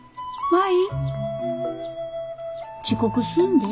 はい。